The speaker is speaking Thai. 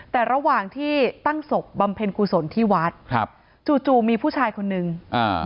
แต่ระหว่างที่ตั้งศพบำเพ็ญกุศลที่วัดครับจู่จู่มีผู้ชายคนนึงอ่า